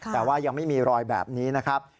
แต่ว่ายังไม่มีรอยแบบนี้นะครับ